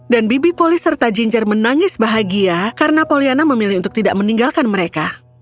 dan bibi polly serta ginger menangis bahagia karena poliana memilih untuk tidak meninggalkan mereka